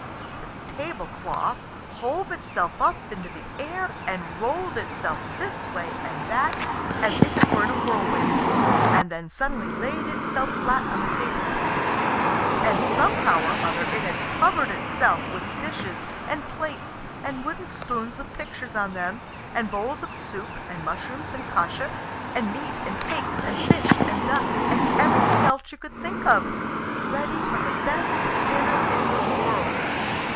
The tablecloth hove itself up into the air, and rolled itself this way and that as if it were in a whirlwind, and then suddenly laid itself flat on the table again. And somehow or other it had covered itself with dishes and plates and wooden spoons with pictures on them, and bowls of soup and mushrooms and kasha, and meat and cakes and fish and ducks, and everything else you could think of, ready for the best dinner in the world.